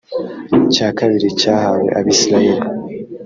cya kabiri cyahawe abisirayeli